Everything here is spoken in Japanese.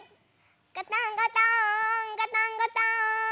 ガタンゴトーンガタンゴトーン！